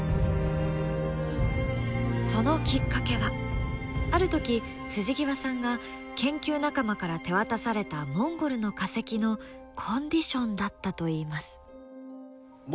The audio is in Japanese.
そのきっかけはある時極さんが研究仲間から手渡されたモンゴルの化石のコンディションだったといいます。と思って研究を始めたのがきっかけです。